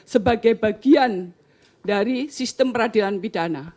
sebagai bagian dari sistem peradilan pidana